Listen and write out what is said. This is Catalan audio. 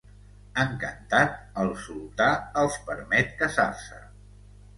Encantat, el sultà els permet casar-se.